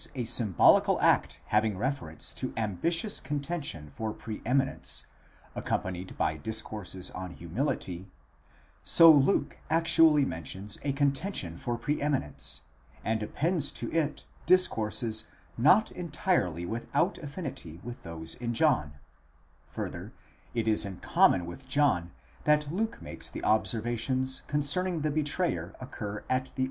a symbolical act having reference to ambitious contention for pre eminence, accompanied by discourses on humility: so Luke actually mentions a con tention for pre eminence, and appends to it discourses not entirely without affinity with those in John; further, it isin common with John that Luke makes the observations concerning the betrayer occur at the opening of the 25 Comp.